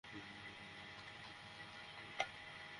ভাইয়াজি, সবসময় তো এটাতে মৃত মানুষই শোয়।